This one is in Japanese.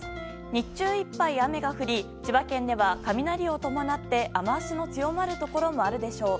日中いっぱい雨が降り千葉県では雷を伴って雨脚の強まるところもあるでしょう。